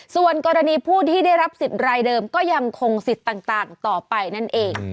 ส่วนกรณีผู้ที่ได้รับสิทธิ์รายเดิมก็ยังคงสิทธิ์ต่างต่อไปนั่นเอง